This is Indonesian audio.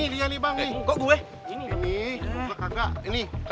hi jaga gini sendiri ya